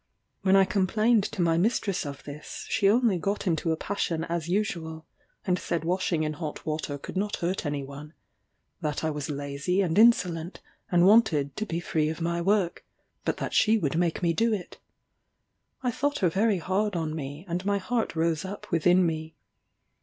When I complained to my mistress of this, she only got into a passion as usual, and said washing in hot water could not hurt any one; that I was lazy and insolent, and wanted to be free of my work; but that she would make me do it. I thought her very hard on me, and my heart rose up within me.